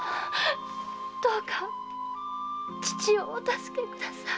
どうか父をお助けください。